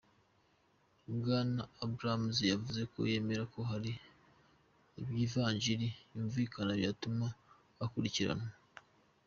Bwana Abrahams yavuze ko yemera ko hari ivyagiriji vyumvikana, vyotuma akurikiranwa.